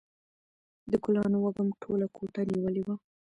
د ګلانو وږم ټوله کوټه نیولې وه.